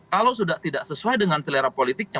kalau sudah tidak sesuai dengan selera politiknya